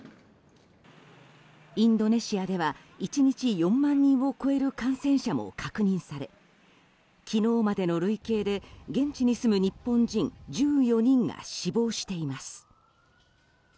インドネシアでは１日４万人を超える感染者も確認され昨日までの累計で現地に住む日本人１４人が死亡しています。